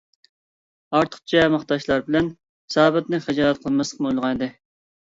ئارتۇقچە ماختاشلار بىلەن سابىتنى خىجالەت قىلماسلىقنى ئويلىغانىدى.